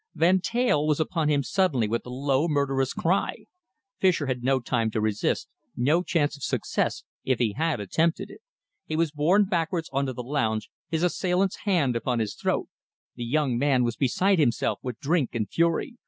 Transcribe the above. Van Teyl was upon him suddenly with a low, murderous cry. Fischer had no time to resist, no chance of success if he had attempted it. He was borne backwards on to the lounge, his assailant's hand upon his throat. The young man was beside himself with drink and fury.